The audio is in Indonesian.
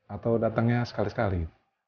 atau datangnya sekali sekali